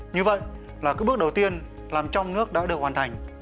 như vậy là cái bước đầu tiên làm trong nước đã được hoàn thành